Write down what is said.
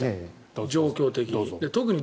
状況的に。